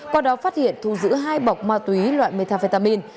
qua đó phát hiện thu giữ hai bọc ma túy loại metafetamin